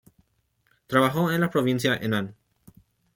Trabajó en la provincia Henan.